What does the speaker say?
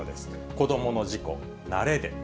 子どもの事故、慣れで。